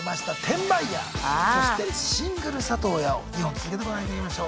そして「シングル里親」を２本続けてご覧いただきましょう。